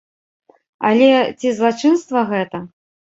Але ці злачынства гэта?